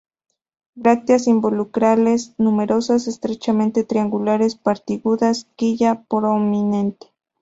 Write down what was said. Brácteas involucrales numerosas, estrechamente triangulares puntiagudas, quilla prominente.